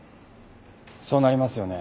そうなりますよね？